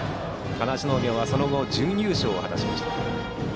金足農業はその後、準優勝を果たしました。